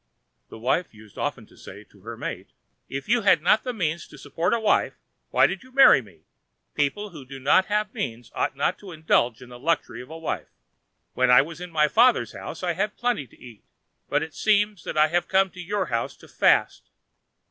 The wife used often to say to her mate, "If you had not the means to support a wife, why did you marry me? People who have not means ought not to indulge in the luxury of a wife. When I was in my father's house I had plenty to eat, but it seems that I have come to your house to fast.